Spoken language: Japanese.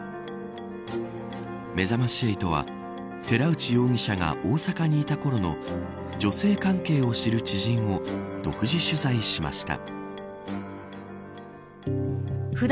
めざまし８は、寺内容疑者が大阪にいたころの女性関係を知る知人を独自取材しました。